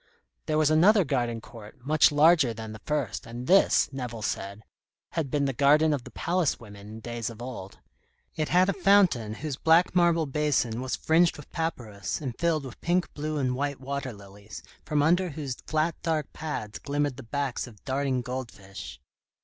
There was another garden court, much larger than the first, and this, Nevill said, had been the garden of the palace women in days of old. It had a fountain whose black marble basin was fringed with papyrus, and filled with pink, blue, and white water lilies, from under whose flat dark pads glimmered the backs of darting goldfish.